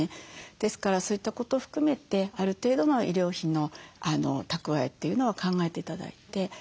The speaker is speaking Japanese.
ですからそういったことを含めてある程度の医療費の蓄えというのを考えて頂いて。